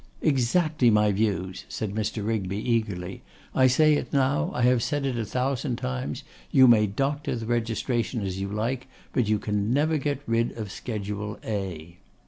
'Exactly my views,' said Mr. Rigby, eagerly; 'I say it now, I have said it a thousand times, you may doctor the registration as you like, but you can never get rid of Schedule A.